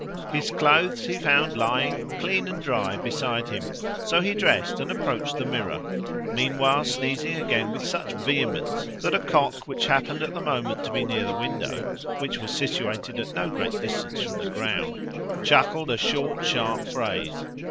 His clothes he found lying, clean and dry, beside him; so he dressed and approached the mirror, meanwhile sneezing again with such vehemence that a cock which happened at the moment to be near the window (which was situated at no great distance from the ground) chuckled a short, sharp phrase.